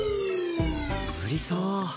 無理そう